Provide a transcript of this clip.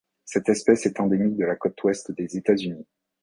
Cette espèce est endémique de la côte Ouest des États-Unis.